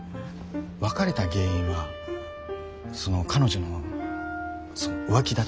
別れた原因はその彼女の浮気だったんで。